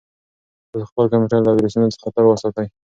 تاسو خپل کمپیوټر له ویروسونو څخه تل وساتئ.